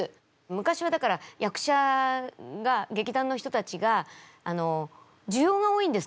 昔はだから役者が劇団の人たちがじゅようが多いんです